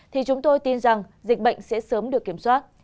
thì chúng tôi tin rằng dịch bệnh sẽ sớm được kiểm soát